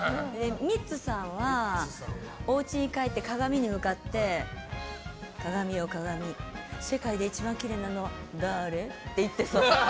ミッツさんは、おうちに帰って鏡に向かって鏡よ鏡、世界で一番きれいなのはだあれ？って言ってそう。